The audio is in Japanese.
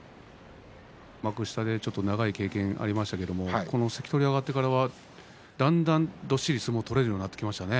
幕下で長い経験がありましたけれども関取に上がってからは、だんだんどっしりと相撲を取れるようになってきましたね。